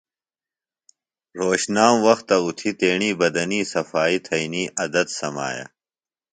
رھوشنام وختہ اُتھیۡ تیݨی بدنی صفائی تھئنی عدت سمایہ۔